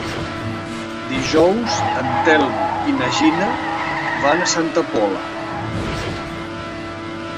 Dijous en Telm i na Gina van a Santa Pola.